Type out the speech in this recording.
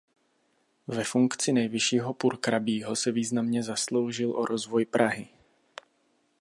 Ve funkci nejvyššího purkrabího se významně zasloužil o rozvoj Prahy.